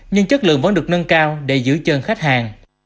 nhưng chất lượng vẫn được nâng cao để giữ chân khách hàng